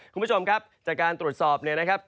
คุณผู้ชมครับจากการตรวจสอบเนี่ยนะครับ